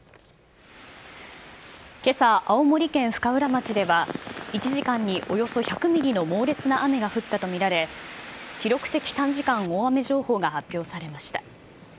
けさ、青森県深浦町では１時間におよそ１００ミリの猛烈な雨が降ったと見られ、記録的短時間大雨情報が発表されました。